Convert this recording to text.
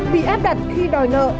bị áp đặt khi đòi nợ